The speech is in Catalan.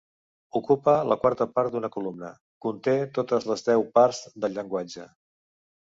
Ocupa la quarta part d'una columna; conté totes les deu parts del llenguatge.